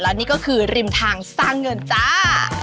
และนี่ก็คือริมทางสร้างเงินจ้า